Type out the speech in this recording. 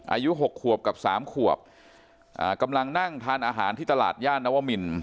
อายุ๖ขวบกับ๓ขวบกำลังนั่งทานอาหารที่ตลาดย่านนวมิล